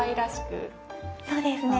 そうですね。